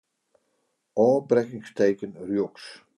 Ofbrekkingsteken rjochts.